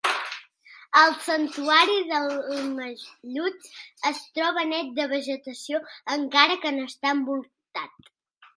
El santuari d'Almallutx es troba net de vegetació, encara que n'està envoltat.